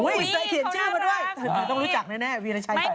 ใส่เขียนเจ้ามาด้วยแถมรู้จักแน่วีรชัยใส่ไว้